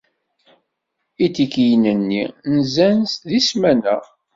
Itikiyen-nni nzan deg ssmana.